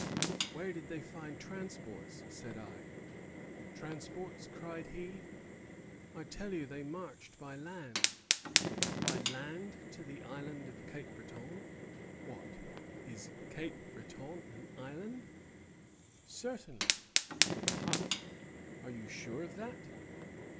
Where did they find transports? said I. Transports! cried he, I tell you they marched by land. By land to the island of Cape Breton! What, is Cape Breton an island? Certainly. Ha! are you sure of that?